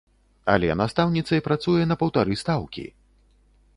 Але настаўніцай працуе на паўтары стаўкі!